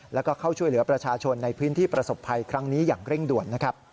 แล้วก็เข้าช่วยเหลือประชาชนในพื้นที่ประสบภัยครั้งนี้อย่างเร่งด่วนนะครับ